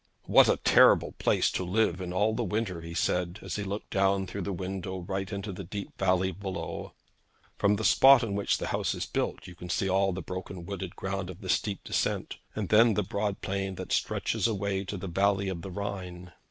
'What a terrible place to live in all the winter!' he said, as he looked down through the window right into the deep valley below. From the spot on which the house is built you can see all the broken wooded ground of the steep descent, and then the broad plain that stretches away to the valley of the Rhine.